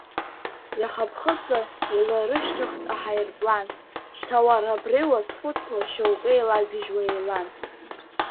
Иаха ԥхыӡла, иларышьҭыхт аҳаирплан, шьҭа уара абри уазхәыцла шьоукы еилагьежьуа еилан.